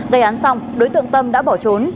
gây án xong đối tượng tâm đã bỏ trốn